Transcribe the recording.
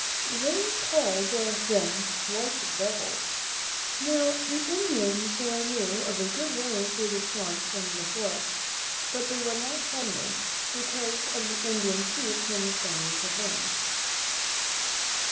They called them white devils. Now, the Indians knew of a good way through the swamps and the forests, but they would not tell the Spaniards, because of the Indian chiefs whom the Spaniards had burned.